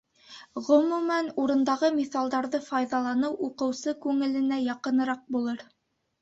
Ғөмүмән, урындағы миҫалдарҙы файҙаланыу уҡыусы күңеленә яҡыныраҡ булыр.